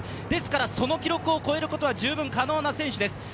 ですからその記録を超えることは十分可能な選手です。